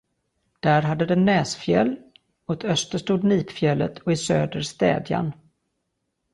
Där hade den Näsfjäll, åt öster stod Nipfjället och i söder Städjan.